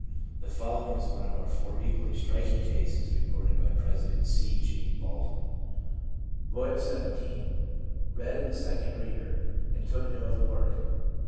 The following is one of four equally striking cases reported by President C. G. Baldwin : 1 Boy of seventeen ; read in the second reader, and took no other work.